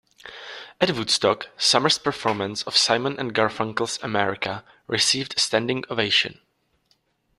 At Woodstock, Sommer's performance of Simon and Garfunkel's "America" received a standing ovation.